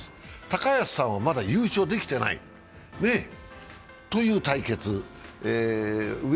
高安さんはまだ優勝できてないという対決。